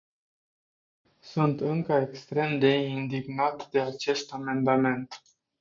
Sunt încă extrem de indignat de acest amendament.